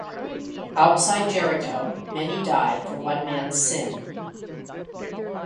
Outside Jericho, many die for one man’s sin.